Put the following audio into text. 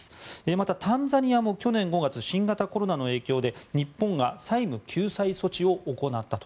また、タンザニアも去年５月新型コロナの影響で日本が債務救済措置を行ったと。